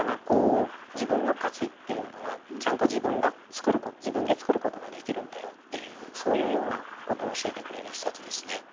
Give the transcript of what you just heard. こう「自分の価値っていうのはちゃんと自分でつくることができるんだよ」っていうそういうようなことを教えてくれる一冊ですね。